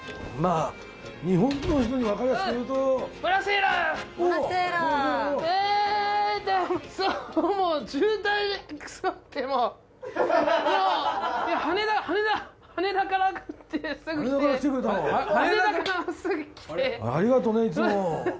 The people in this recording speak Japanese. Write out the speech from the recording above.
ありがとねいつも。